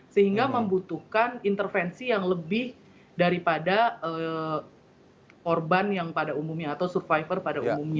sehingga membutuhkan intervensi yang lebih daripada korban yang pada umumnya atau survivor pada umumnya